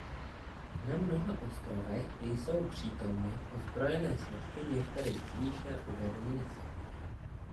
Na mnoha ostrovech jsou přítomny ozbrojené složky některých z výše uvedených zemí.